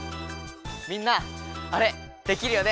みんなあれできるよね？